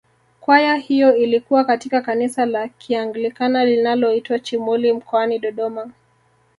Kwaya hiyo ilikuwa katika kanisa la kianglikana linaloitwa Chimuli mkoani Dodoma